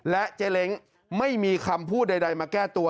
เจ๊เล้งไม่มีคำพูดใดมาแก้ตัว